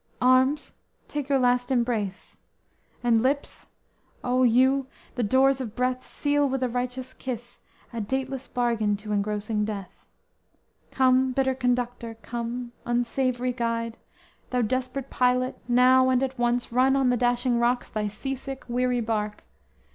Arms, take your last embrace! and lips, O, you, The doors of breath, seal with a righteous kiss A dateless bargain to engrossing death! Come, bitter conductor, come, unsavory guide! Thou desperate pilot, now and at once run on The dashing rocks thy sea sick, weary bark!